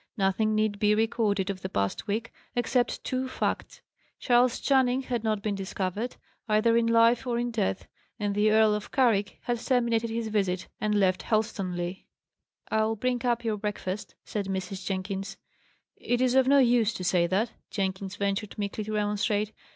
Nothing need be recorded of the past week, except two facts: Charles Channing had not been discovered, either in life or in death; and the Earl of Carrick had terminated his visit, and left Helstonleigh. "I'll bring up your breakfast," said Mrs. Jenkins. "It is of no use to say that," Jenkins ventured meekly to remonstrate.